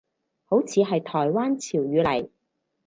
好似係台灣潮語嚟